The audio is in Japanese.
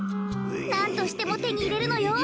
なんとしてもてにいれるのよ。